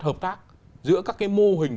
hợp tác giữa các mô hình